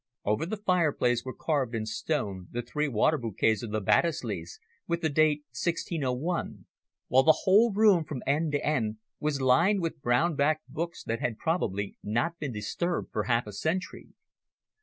Over the fireplace were carved in stone the three water bougets of the Baddesleys, with the date 1601, while the whole room from end to end was lined with brown backed books that had probably not been disturbed for half a century.